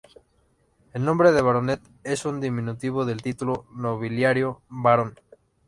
El nombre "baronet" es un diminutivo del título nobiliario Barón.